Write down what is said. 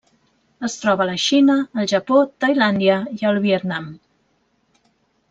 Es troba a la Xina, el Japó, Tailàndia i el Vietnam.